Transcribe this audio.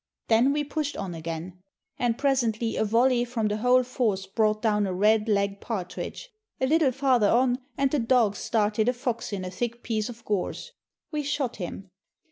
Then we pushed on again, and presently a volley from the whole force brought down a red legged partridge; a little farther on and the dogs started a fox in a thick piece of gorse. We shot him.